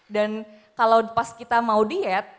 dan kalau pas kita mau diet